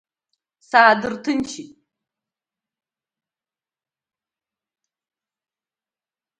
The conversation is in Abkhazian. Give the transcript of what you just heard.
Саадырҭынчит…